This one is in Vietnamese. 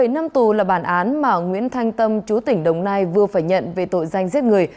bảy năm tù là bản án mà nguyễn thanh tâm chú tỉnh đồng nai vừa phải nhận về tội danh giết người